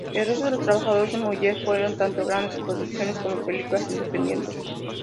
El resto de los trabajos de Müller fueron tanto grandes producciones como películas independientes.